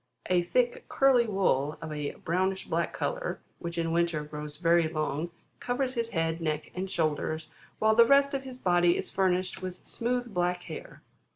A thick, curly wool of a brownish black colour, which in winter, grows very long, covers his head, neck, and shoulders, while the rest of his body is furnished with smooth black hair.